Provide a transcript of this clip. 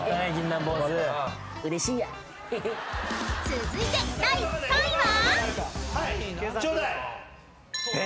［続いて第３位は？］